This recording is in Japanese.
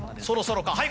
そろそろか？